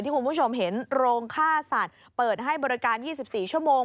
คุณผู้ชมเห็นโรงฆ่าสัตว์เปิดให้บริการ๒๔ชั่วโมง